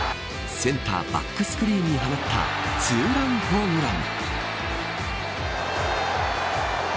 センターバックスクリーンに放ったツーランホームラン。